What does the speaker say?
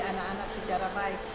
anak anak secara baik